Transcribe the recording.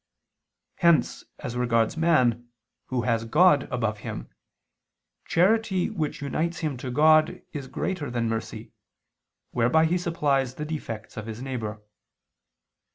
Hence, as regards man, who has God above him, charity which unites him to God, is greater than mercy, whereby he supplies the defects of his neighbor.